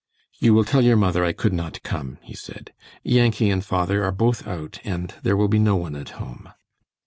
"You will tell your mother I could not come," he said. "Yankee and father are both out, and there will be no one at home."